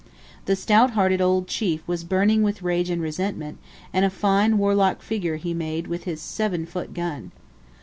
The stout hearted old chief was burning with rage and resentment, and a fine warlike figure he made with his 7 foot gun.